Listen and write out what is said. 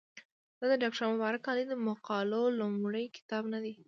دا د ډاکټر مبارک علي د مقالو لومړی کتاب نه دی.